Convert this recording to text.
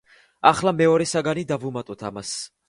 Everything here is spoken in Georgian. ახლა მეორე საგანი დავუმატოთ ამას.